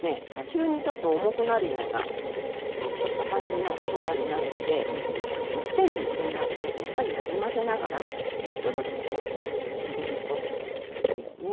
急にちょっと重くなるようなずしっとした感じの手応えになるのでいっぺんに入れないでやっぱりなじませながらちょっとずつこう入れるといいですね。